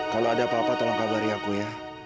kalau ada apa apa tolong kabari aku ya